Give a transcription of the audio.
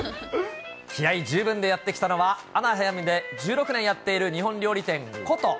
気合い十分でやって来たのは、アナハイムで１６年やっている日本料理店、古都。